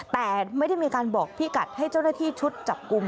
แต่ไม่ได้มีการบอกพี่กัดให้เจ้าหน้าที่ชุดจับกลุ่ม